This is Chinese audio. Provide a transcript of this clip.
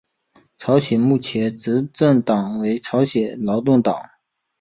朝鲜目前的执政党为朝鲜劳动党。